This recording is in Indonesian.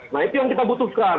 nah itu yang kita butuhkan